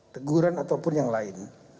teguran ataupun yang lain